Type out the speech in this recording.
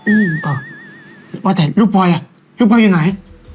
อืมอ่ะว่าแต่ลูกพลอย่างลูกพลอย่างอยู่ไหน